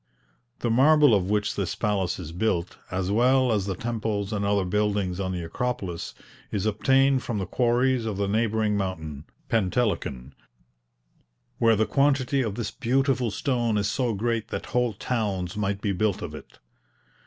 The marble of which this palace is built, as well as the temples and other buildings on the Acropolis, is obtained from the quarries of the neighbouring mountain, Pentelikon, where the quantity of this beautiful stone is so great that whole towns might be built of it.